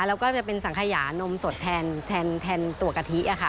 แล้วก็จะเป็นสังขยานมสดแทนตัวกะทิค่ะ